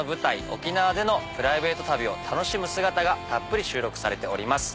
沖縄でのプライベート旅を楽しむ姿がたっぷり収録されております。